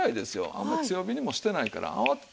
あんまり強火にもしてないから慌てて。